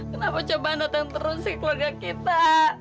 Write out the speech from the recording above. kenapa cobaan datang terus sih keluarga kita